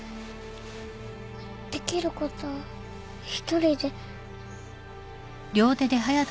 できることは一人で。